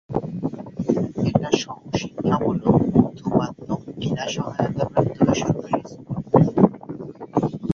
এটা সহ-শিক্ষামূলক উর্দু-মাধ্যম বিনা সহায়তা প্রাপ্ত বেসরকারি স্কুল।